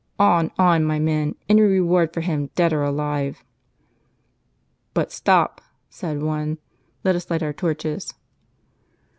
On, on, my men ; any reward for him, dead or alive !"" But, stop," said one, " let us light our torches."